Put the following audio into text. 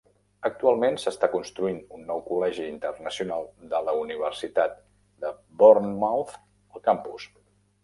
Actualment s'està construint un nou Col·legi Internacional de la Universitat de Bournemouth al campus.